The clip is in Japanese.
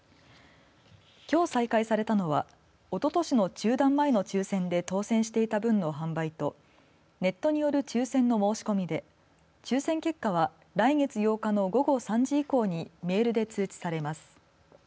きょう再開されたのはおととしの中断前の抽せんで当選していた分の販売とネットによる抽せんの申し込みで抽せん結果は来月８日の午後３時以降にメールで通知されます。